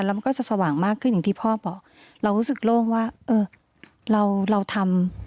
แล้วมันก็จะสว่างมากขึ้นอย่างที่พ่อบอกเรารู้สึกโล่งว่าเออเราเราทำ